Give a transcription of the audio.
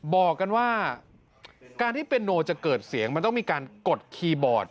บอกกันว่าการที่เยโนจะเกิดเสียงมันต้องมีการกดคีย์บอร์ด